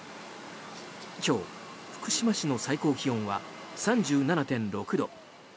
今日、福島市の最高気温は３７．６度。